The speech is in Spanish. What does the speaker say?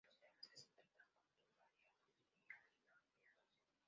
Los temas que se tratan son muy variados y han ido ampliándose.